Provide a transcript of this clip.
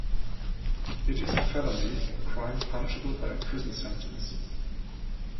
It is a felony, a crime punishable by a prison sentence.